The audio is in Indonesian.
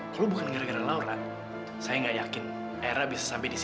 kalau bukan gara gara laura saya nggak yakin era bisa sampai di sini